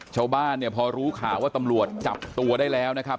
ชาวบ้านเนี่ยพอรู้ข่าวว่าตำรวจจับตัวได้แล้วนะครับ